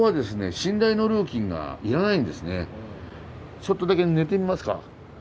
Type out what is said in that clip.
ちょっとだけ寝てみますか。